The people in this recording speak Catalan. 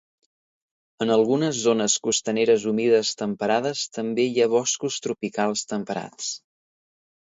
En algunes zones costaneres humides temperades també hi ha boscos tropicals temperats.